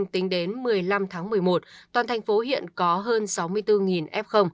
tính đến một mươi năm tháng một mươi một toàn thành phố hiện có hơn sáu mươi bốn f